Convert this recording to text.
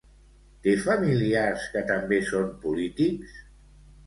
Té familiars que també són polítics?